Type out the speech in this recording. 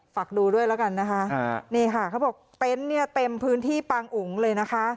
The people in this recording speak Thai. ฝากดูด้วยแล้วกันนะคะนี่ค่ะเขาบอกเต็นต์เนี่ยเต็มพื้นที่ปางอุ๋งเลยนะคะ